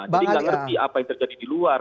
jadi nggak ngerti apa yang terjadi di luar